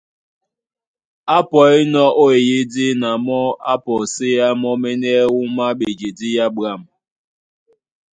Á pɔínɔ̄ ó eyídí, na mɔ́ á pɔséá mɔ́mɛ́nɛ́ wúma á ɓejedí yá ɓwâm,